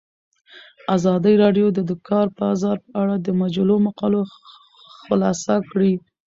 ازادي راډیو د د کار بازار په اړه د مجلو مقالو خلاصه کړې.